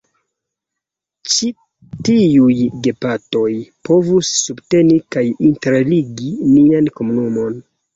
Ĉi tiuj “pagetoj” povus subteni kaj interligi nian komunumon.